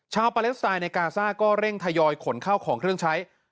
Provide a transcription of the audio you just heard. ปาเลสไตน์ในกาซ่าก็เร่งทยอยขนเข้าของเครื่องใช้